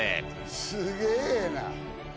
すげえな。